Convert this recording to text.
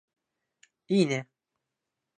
いいね